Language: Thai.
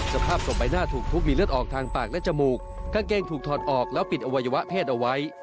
สภาพศพใบหน้าถูกทุบมีเลือดออกทางปากและจมูกกางเกงถูกถอดออกแล้วปิดอวัยวะเพศเอาไว้